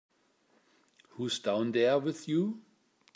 Who's down there with you?